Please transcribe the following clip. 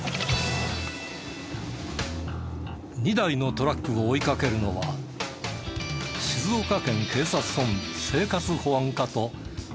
２台のトラックを追いかけるのは静岡県警察本部生活保安課と裾野警察署の捜査員。